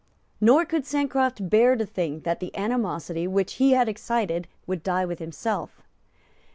Nor could Sancroft bear to think that the animosity which he had excited would die with himself.